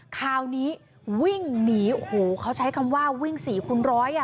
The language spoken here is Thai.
คราวนี้วิ่งหนีโอ้โหเขาใช้คำว่าวิ่งสี่คูณร้อยอ่ะ